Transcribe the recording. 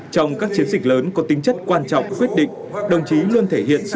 trong các chiến dịch lớn có tính chất quan trọng quyết định